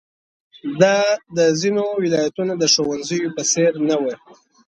دا د ځینو ولایتونو د ښوونځیو په څېر نه وه.